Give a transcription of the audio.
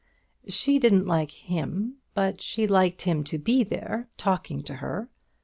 She didn't like him, but she liked him to be there talking to her.